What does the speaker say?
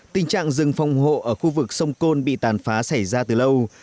tình trạng rừng phòng hộ ở khu vực sông côn bị tàn phá xảy ra từ lâu